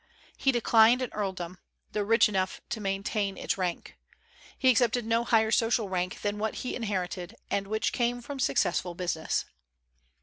He declined an earldom, though rich enough to maintain its rank. He accepted no higher social rank than what he inherited, and which came from successful business.